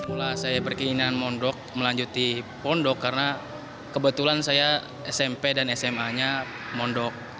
pula saya berkeinginan mondok melanjuti pondok karena kebetulan saya smp dan sma nya mondok